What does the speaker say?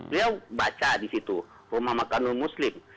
dia baca di situ rumah makan muslim